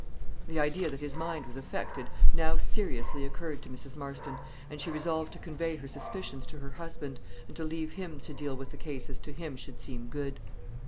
The idea that his mind was affected now seriously occurred to Mrs. Marston, and she resolved to convey her suspicions to her husband, and to leave him to deal with the case as to him should seem good.